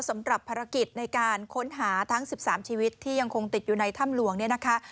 สำหรับภารกิจในการค้นหาทั้ง๑๓ชีวิตที่ยังคงติดอยู่ในถ้ำหลวงเนี่ยนะคะ